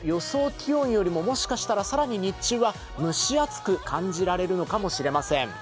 気温よりももしかしたら更に、日中は蒸し暑く感じられるのかもしれません。